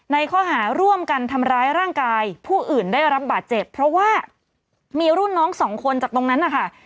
ข้อหาร่วมกันทำร้ายร่างกายผู้อื่นได้รับบาดเจ็บเพราะว่ามีรุ่นน้องสองคนจากตรงนั้นนะคะ